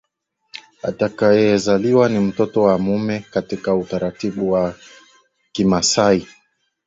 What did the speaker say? atakayezaliwa ni mtoto wa mume katika utaratibu wa KimasaiKitala aina ya talaka au